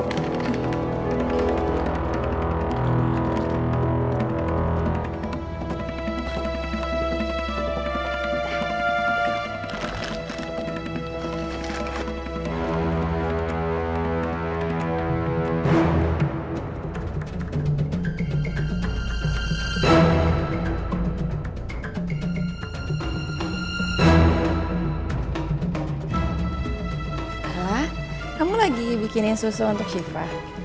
bella kamu lagi bikinin susu untuk sipa